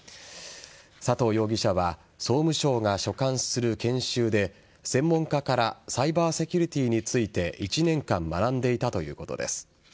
佐藤容疑者は総務省が所管する研修で専門家からサイバーセキュリティーについて１年間学んでいたということです。